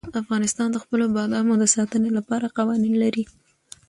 افغانستان د خپلو بادامو د ساتنې لپاره قوانین لري.